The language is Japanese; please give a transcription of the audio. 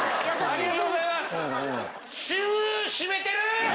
ありがとうございます！